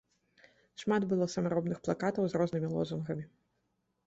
Шмат было самаробных плакатаў з рознымі лозунгамі.